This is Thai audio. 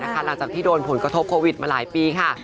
หลังจากที่โดนผลกระทบโควิดมาหลายปีค่ะ